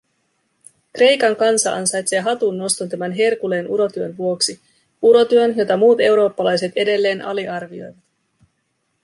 Kreikan kansa ansaitsee hatunnoston tämän Herkuleen urotyön vuoksi, urotyön, jota muut eurooppalaiset edelleen aliarvioivat.